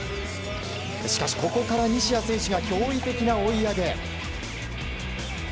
しかし、ここから西矢選手が驚異的な追い上げ。